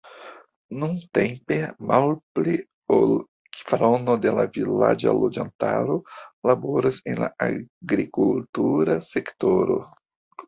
Nuntempe malpli ol kvarono de la vilaĝa loĝantaro laboras en la agrikultura sektoro.